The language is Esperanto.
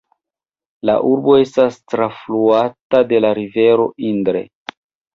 La urbo estas trafluata de la rivero Indre.